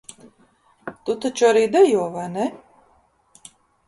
Tu taču arī dejo, vai ne?